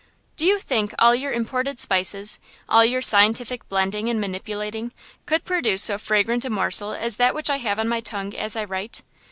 Do you think all your imported spices, all your scientific blending and manipulating, could produce so fragrant a morsel as that which I have on my tongue as I write?